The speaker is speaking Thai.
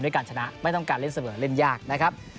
การชนะไม่ต้องการเล่นเสมอเล่นยากนะครับ